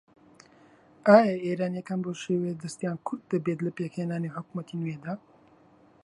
ئایا ئێرانییەکان بەو شێوەیە دەستیان کورت دەبێت لە پێکهێنانی حکوومەتی نوێدا؟